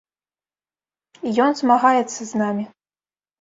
І ён змагаецца з намі.